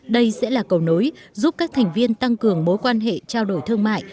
đây sẽ là cầu nối giúp các thành viên tăng cường mối quan hệ trao đổi thương mại